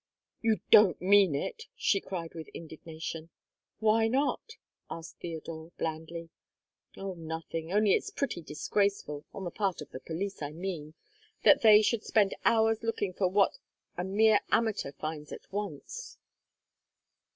"You don't mean it!" she cried with indignation. "Why not?" asked Theodore blandly. "Oh, nothing. Only it's pretty disgraceful on the part of the police, I mean that they should spend hours looking for what a mere amateur finds at once!"